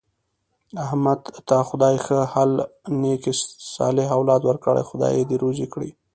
احمد ته خدای ښه حل نېک صالح اولاد ورکړی، خدای یې دې روزي کړي.